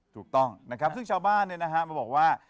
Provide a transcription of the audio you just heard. ถูกต้องนะครับซึ่งชาวบ้านเนี่ยนะฮะมาบอกว่า